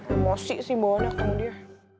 emosi sih bawa nya ketemu dia